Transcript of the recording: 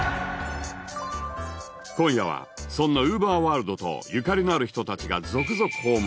今夜はそんな ＵＶＥＲｗｏｒｌｄ とゆかりのある人たちが続々訪問。